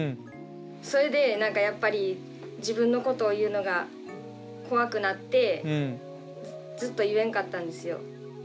それでやっぱり自分のことを言うのが怖くなってずっと言えんかったんですよ。